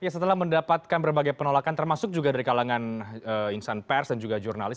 setelah mendapatkan berbagai penolakan termasuk juga dari kalangan insan pers dan juga jurnalis